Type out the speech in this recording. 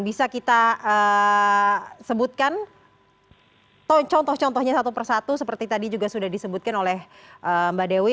bisa kita sebutkan contoh contohnya satu persatu seperti tadi juga sudah disebutkan oleh mbak dewi